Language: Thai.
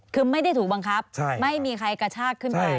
คือไม่ได้ถูกบังคับไม่มีใครกระชากขึ้นไป